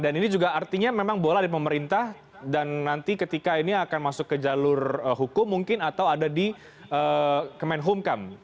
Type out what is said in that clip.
dan ini juga artinya memang boleh pemerintah dan nanti ketika ini akan masuk ke jalur hukum mungkin atau ada di kemenhumkam